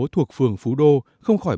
thuộc phường phú đô không khỏi